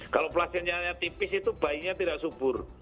kalau plastiknya tipis itu bayinya tidak subur